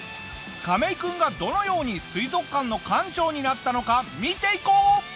カメイ君がどのように水族館の館長になったのか見ていこう！